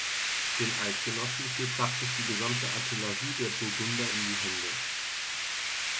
Den Eidgenossen fiel praktisch die gesamte Artillerie der Burgunder in die Hände.